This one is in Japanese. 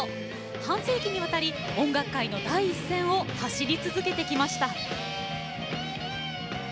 半世紀にわたり音楽界の第一線を走り続けてきました。